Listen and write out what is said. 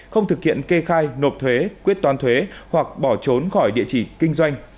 không thực hiện kê khai nộp thuế quyết toán thuế hoặc bỏ trốn khỏi địa chỉ kinh doanh